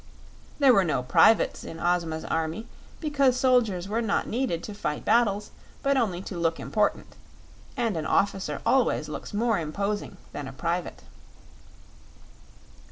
There were no privates in Ozma's Army because soldiers were not needed to fight battles, but only to look important, and an officer always looks more imposing than a private.